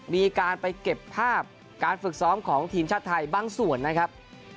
มีการไปเก็บภาพการฝึกซ้อมของทีมชาติไทยบางส่วนนะครับ